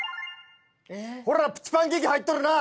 ほらプチパンケーキ入っとるな！